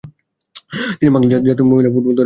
তিনি বাংলাদেশ জাতীয় মহিলা ফুটবল দলের হয়ে খেলেছেন।